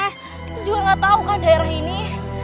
kita juga gak tahu kan daerah ini